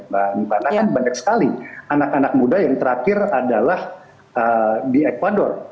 karena kan banyak sekali anak anak muda yang terakhir adalah di ecuador